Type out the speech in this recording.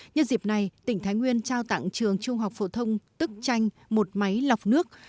nhân dịp này tỉnh thái nguyên trao tặng trường trung học phổ thông tức chanh một máy lọc nước